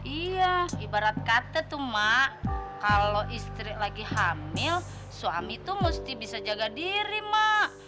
iya ibarat kata tuh mak kalau istri lagi hamil suami itu mesti bisa jaga diri mak